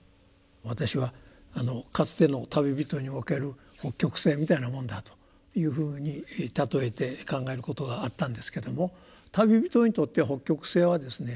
私はかつての旅人における北極星みたいなもんだというふうに例えて考えることがあったんですけども旅人にとって北極星はですね